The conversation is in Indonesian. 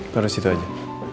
taruh situ aja